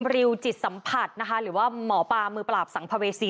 ริวจิตสัมผัสนะคะหรือว่าหมอปลามือปราบสัมภเวษี